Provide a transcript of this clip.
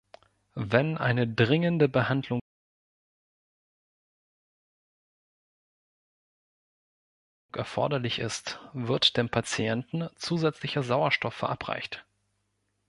Wenn eine dringende Behandlung erforderlich ist, wird dem Patienten zusätzlicher Sauerstoff verabreicht.